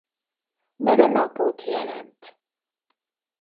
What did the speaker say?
Neve napot jelent.